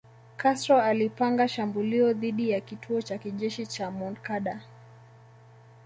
Castro alipanga shambulio dhidi ya kituo cha kijeshi cha Moncada